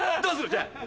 じゃあ。